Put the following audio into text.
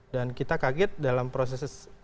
dan kita kaget dalam proses